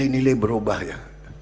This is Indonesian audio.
nilai berubah ya